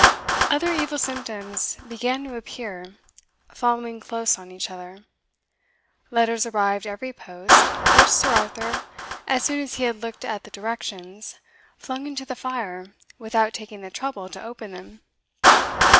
Other evil symptoms began to appear, following close on each other. Letters arrived every post, which Sir Arthur, as soon as he had looked at the directions, flung into the fire without taking the trouble to open them.